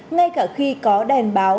ngay cả khi có đèn báo